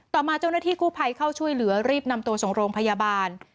ต่อมาเจ้าหน้าที่กู้ภัยเข้าช่วยเหลือรีบนำตัวส่งโรงพยาบาล